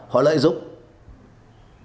họ lại giúp tài nạn ma túy trên thế giới diễn biến